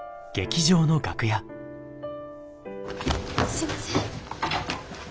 すいません。